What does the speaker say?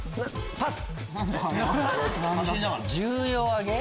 パス。